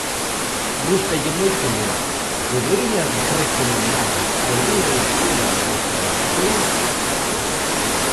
Gústalle moito ler, podería recomendar algunha lectura para estas vacacións?